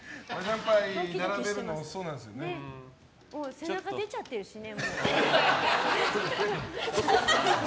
背中出ちゃってるしね。